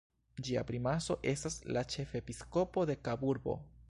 Ĝia primaso estas la ĉefepiskopo de Kaburbo.